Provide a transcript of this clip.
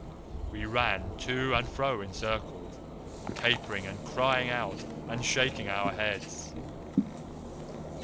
We ran to and fro in circles, capering and crying out and shaking our heads.